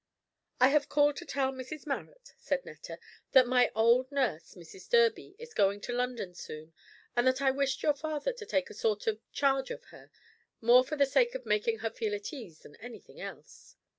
"I have called to tell Mrs Marrot," said Netta, "that my old nurse, Mrs Durby, is going to London soon, and that I wished your father to take a sort of charge of her, more for the sake of making her feel at ease than anything else."